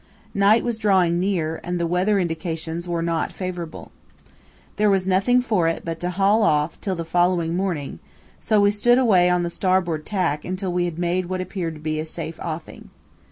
Night was drawing near, and the weather indications were not favourable. There was nothing for it but to haul off till the following morning, so we stood away on the starboard tack until we had made what appeared to be a safe offing.